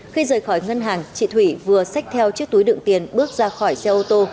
khi rời khỏi ngân hàng chị thủy vừa xách theo chiếc túi đựng tiền bước ra khỏi xe ô tô